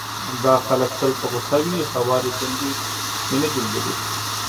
دا خلک تل په غوسه وي، هوارې ټنډې مې نه دي ليدلې،